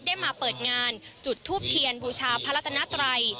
ได้มาเปิดงานจุดทูบเทียนบูชาพระรัตนาตรัย